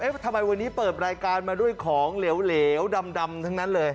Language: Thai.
ทำไมวันนี้เปิดรายการมาด้วยของเหลวดำทั้งนั้นเลย